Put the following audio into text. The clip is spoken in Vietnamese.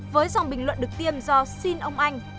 với dòng bình luận được tiêm do xin ông anh